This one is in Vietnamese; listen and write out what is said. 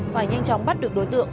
phải nhanh chóng bắt được đối tượng